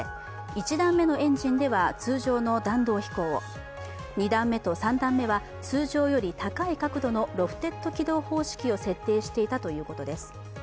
１段目のエンジンでは通常の弾道飛行を、２段目と３段目は通常より高い角度のロフテッド軌道方式を設定していたということです。